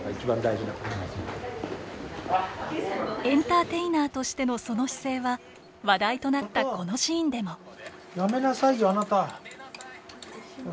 エンターテイナーとしてのその姿勢は話題となったこのシーンでも。